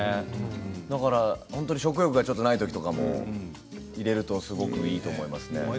だから食欲がないときとかも入れるとすごくいいと思いますね。